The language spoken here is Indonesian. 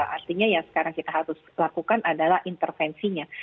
artinya yang sekarang kita harus lakukan adalah intervensinya